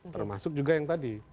termasuk juga yang tadi